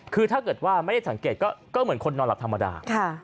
คือถ้าเกิดว่าไม่ได้สังเกตก็เหมือนคนนอนหลับธรรมดา